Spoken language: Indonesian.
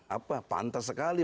apa pantas sekali